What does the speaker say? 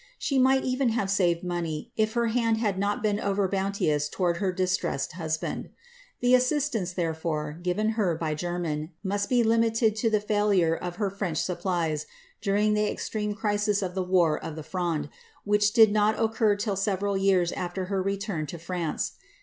She might even have saved money, if her hand had not been over boun teous towards her distressed husband. The assistance, therefore, given her by Jermyn, must be limited to the failure of her French supplies dnring the extreme crisis of the war of the Fronde, which did not occur till several years after her return to France.